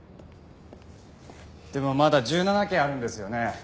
でもまだ１７件あるんですよね？